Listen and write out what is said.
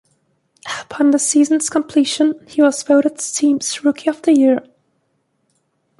Upon the season's completion, he was voted the team's rookie of the year.